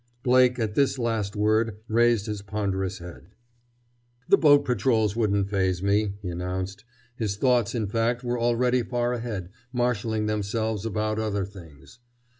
Blake, at this last word, raised his ponderous head. "The boat patrols wouldn't phase me," he announced. His thoughts, in fact, were already far ahead, marshaling themselves about other things.